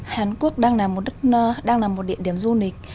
hàn quốc đang là một địa điểm du lịch